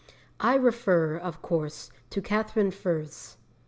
I refer, of course, to Catherine Furze.